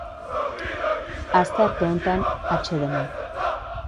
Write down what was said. Astearte honetan, atsedena.